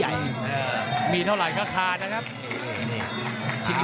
มันมีรายการมวยนัดใหญ่อยู่นัดอยู่นะ